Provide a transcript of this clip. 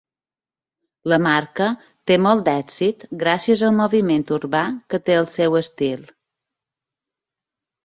La marca té molt d'èxit gràcies al moviment urbà que té el seu estil.